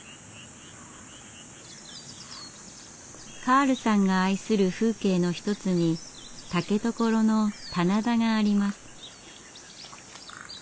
カールさんが愛する風景の一つに竹所の棚田があります。